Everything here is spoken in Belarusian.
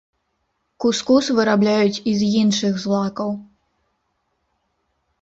Кус-кус вырабляюць і з іншых злакаў.